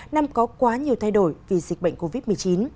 năm có quá nhiều thay đổi vì dịch bệnh covid một mươi chín